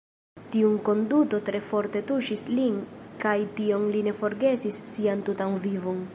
Tiu konduto tre forte tuŝis lin kaj tion li ne forgesis sian tutan vivon.